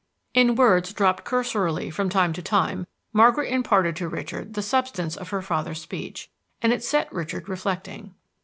In words dropped cursorily from time to time, Margaret imparted to Richard the substance of her father's speech, and it set Richard reflecting.